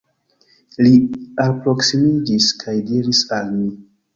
Li alproksimiĝis kaj diris al mi.